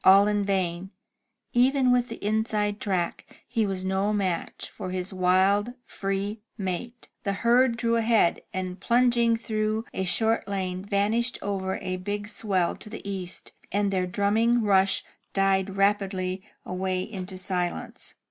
All in vain, even with the inside track he was no match for his wild, free mate. The herd drew ahead, and plunging through a short lane, vanished over a big swell to the east, and their drumming rush died rapidly away into silence.